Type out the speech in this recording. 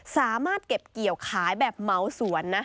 สามารถเก็บเกี่ยวขายแบบเหมาสวนนะ